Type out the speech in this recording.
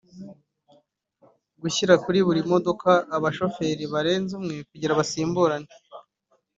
Gushyira kuri buri modoka abashoferi barenze umwe kugira basimburane